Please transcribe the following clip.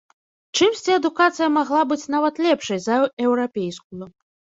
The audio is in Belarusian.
Чымсьці адукацыя магла быць нават лепшай за еўрапейскую.